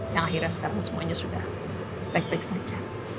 yang akhirnya sekarang semuanya sudah baik baik saja